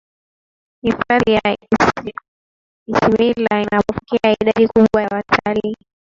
hifadhi ya isimila inapokea idadi kubwa ya watalii